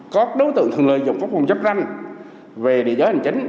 các đối tượng thường lợi dụng phóng phòng chấp tranh về địa giới hành chính